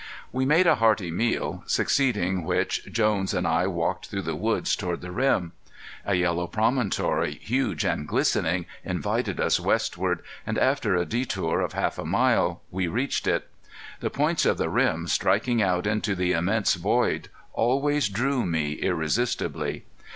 We made a hearty meal, succeeding which Jones and I walked through the woods toward the rim. A yellow promontory, huge and glistening, invited us westward, and after a detour of half a mile we reached it. The points of the rim, striking out into the immense void, always drew me irresistibly.